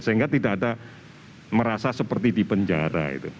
sehingga tidak ada merasa seperti di penjara